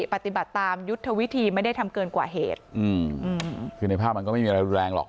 ปฏิบัติตามยุทธวิธีไม่ได้ทำเกินกว่าเหตุอืมคือในภาพมันก็ไม่มีอะไรรุนแรงหรอก